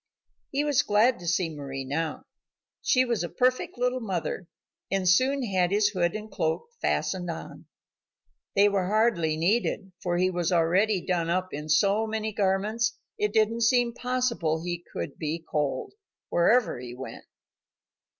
He was glad to see Mari now. She was a perfect little mother, and soon had his hood and cloak fastened on. They were hardly needed, for he was already done up in so many garments, it didn't seem possible he could be cold, wherever he went.